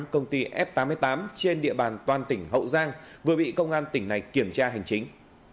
tám mươi tám công ty s tám mươi tám trên địa bàn toàn tỉnh hậu giang vừa bị công an tỉnh này kiểm tra hành chính